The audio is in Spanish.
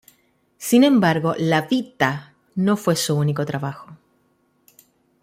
Sin embargo, la "Vita" no fue su único trabajo.